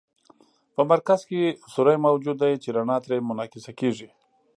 په مرکز کې سوری موجود دی چې رڼا ترې منعکسه کیږي.